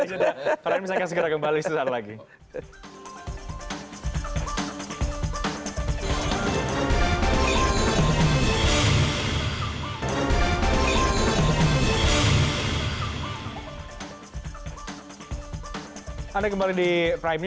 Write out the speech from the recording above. kalian bisa segera kembali setelah ini